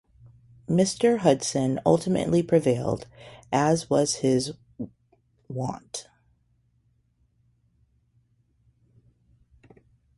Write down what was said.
Mr Hudson ultimately prevailed, as was his wont.